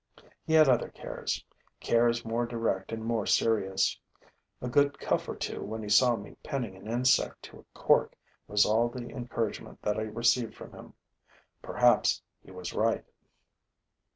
He had other cares, cares more direct and more serious. A good cuff or two when he saw me pinning an insect to a cork was all the encouragement that I received from him. Perhaps he was right.